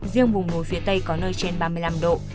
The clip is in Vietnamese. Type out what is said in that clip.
riêng vùng núi phía tây có nơi trên ba mươi năm độ